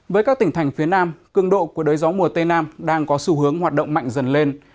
với các tỉnh thành phía nam cương độ của đới gió mùa tây nam đang có xu hướng hoạt động mạnh dần lên